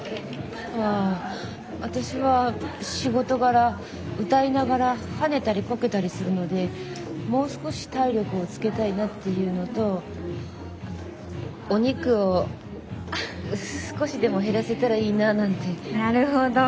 あ私は仕事柄歌いながら跳ねたりコケたりするのでもう少し体力をつけたいなっていうのとお肉を少しでも減らせたらいいなぁなんて。なるほど。